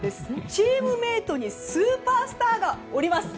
チームメートにスーパースターがおります。